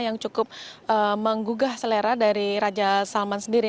yang cukup menggugah selera dari raja salman sendiri